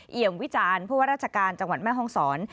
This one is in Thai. เอียมวิจารณ์พรจังหวันแม่ฮองศร